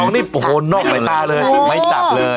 ๑๒นี่โหนอกหลายตาเลย